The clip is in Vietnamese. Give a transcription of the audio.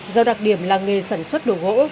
do đặc điểm làng nghề sản xuất đồ gỗ